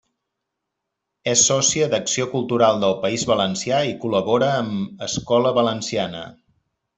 És sòcia d’Acció Cultural del País Valencià i col·labora amb Escola Valenciana.